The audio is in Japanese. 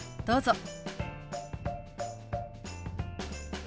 どうぞ。